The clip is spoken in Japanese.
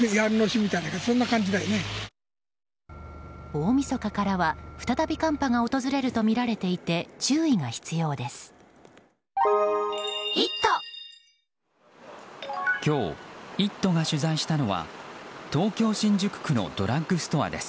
大みそかからは再び寒波が訪れるとみられていて注意が必要です。